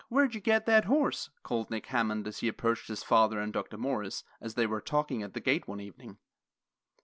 Where'd you get that horse?" called Nick Hammond as he approached his father and Dr. Morris, as they were talking at the gate one evening.